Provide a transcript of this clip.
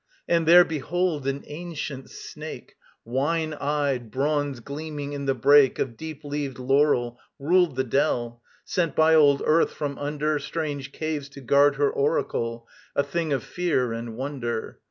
And there, behold, an ancient Snake, Wine eyed, bronze gleaming in the brake Of deep leaved laurel, ruled the dell, Sent by old Earth from under Strange caves to guard her oracle A thing of fear and wonder.